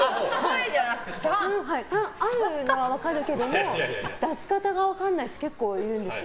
あるのは分かるけども出し方が分からない人結構いるんですよ。